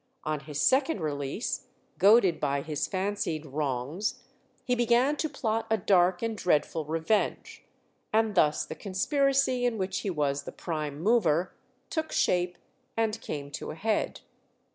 On his second release, goaded by his fancied wrongs, he began to plot a dark and dreadful revenge, and thus the conspiracy in which he was the prime mover took shape, and came to a head.